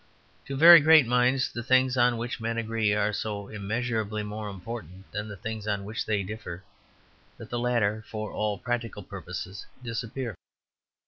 To very great minds the things on which men agree are so immeasurably more important than the things on which they differ, that the latter, for all practical purposes, disappear.